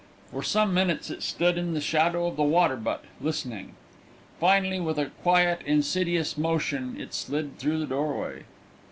For some minutes it stood in the shadow of the water butt, listening. Finally, with a quiet, insidious motion, it slid through the doorway.